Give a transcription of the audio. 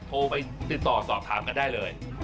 โทรไปติดต่อสอบถามกันได้เลย